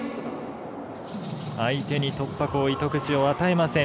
相手に突破口、糸口を与えません。